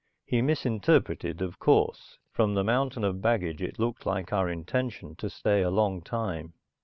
He misinterpreted, of course. From the mountain of baggage it looked like our intention to stay a long time.